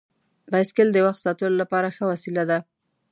بایسکل د وخت ساتلو لپاره ښه وسیله ده.